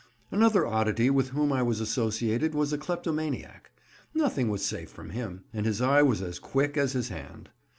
Another oddity with whom I was associated was a kleptomaniac. Nothing was safe from him, and his eye was as quick as his hand.